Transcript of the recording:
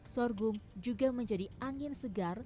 sorghum juga menjadi angin segar